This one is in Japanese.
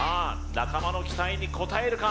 仲間の期待に応えるか